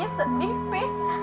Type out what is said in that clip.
mami sedih fi